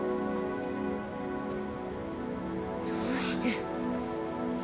どうして。